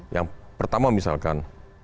yang pertama misalkan